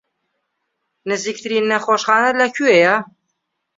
نزیکترین نەخۆشخانە لەکوێیە؟